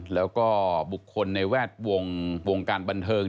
แล้วก็บุคคลในแวดวงวงการบันเทิง